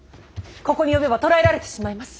ここに呼べば捕らえられてしまいます。